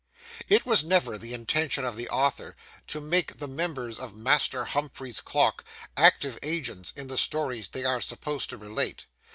It was never the intention of the Author to make the Members of Master Humphrey's clock, active agents in the stories they are supposed to relate.